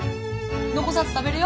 残さず食べれよ！